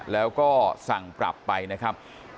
แล้วก็สั่งปรับไปนะครับ